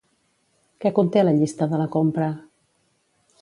Què conté la llista de la compra?